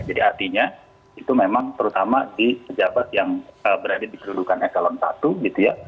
jadi artinya itu memang terutama di pejabat yang berada di kedudukan s l satu gitu ya